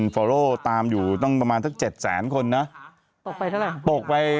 แอรี่แอรี่แอรี่แอรี่